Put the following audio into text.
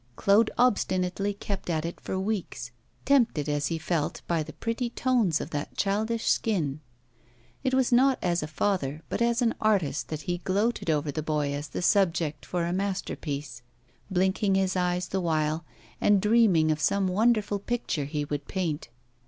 Claude obstinately kept at it for weeks, tempted as he felt by the pretty tones of that childish skin. It was not as a father, but as an artist, that he gloated over the boy as the subject for a masterpiece, blinking his eyes the while, and dreaming of some wonderful picture he would paint.